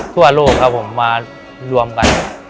ทั่วโลกครับผมมารวมกัน